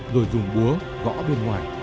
rồi dùng búa gõ bên ngoài